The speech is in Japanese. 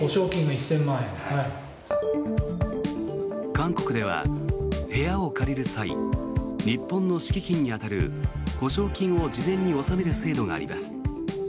韓国では部屋を借りる際日本の敷金に当たる保証金を事前に納める制度があります。